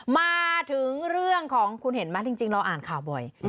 มาถึงเรื่องของคุณเห็นไหมจริงเราอ่านข่าวบ่อย